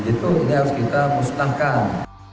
itu harus kita mustahkan